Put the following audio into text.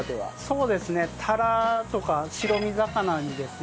そうですねタラとか白身魚にですね